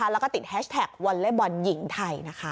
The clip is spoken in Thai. แล้วก็ติดแฮชแท็กวอลเล็บบอลหญิงไทยนะคะ